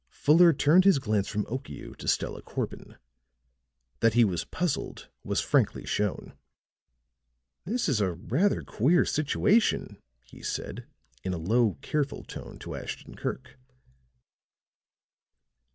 Fuller turned his glance from Okiu to Stella Corbin; that he was puzzled was frankly shown. "This is a rather queer situation," he said, in a low, careful tone to Ashton Kirk.